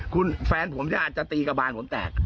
คุณแฟนผมเนี่ยอาจจะตีกระบานผมแตก